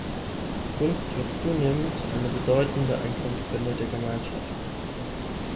Kunst wird zunehmend eine bedeutende Einkommensquelle der Gemeinschaften.